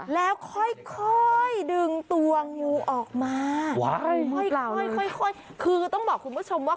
แล้วค่อยดึงตัวงูออกมาค่อยคือต้องบอกคุณผู้ชมว่า